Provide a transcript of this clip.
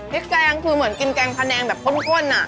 พริกแกงคือเหมือนกินแกงพะแดงแบบข้นอ่ะ